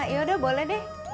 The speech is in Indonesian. yaudah boleh deh